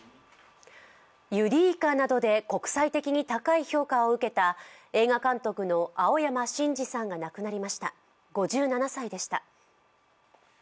「ＥＵＲＥＫＡ」などで国際的に高い評価を受けた映画監督の青山真治さんが亡くなりました、５７歳でした。